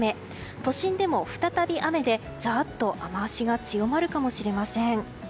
都心でも再び雨でザーッと雨脚が強まるかもしれません。